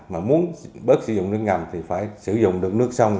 mà muốn bớt sử dụng nước ngầm thì phải sử dụng được nước sông